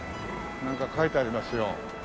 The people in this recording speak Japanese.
なんか書いてありますよ。